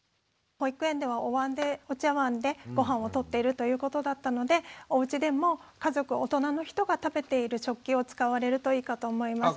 保育園ではおわんでお茶わんでごはんをとっているということだったのでおうちでも家族大人の人が食べている食器を使われるといいかと思います。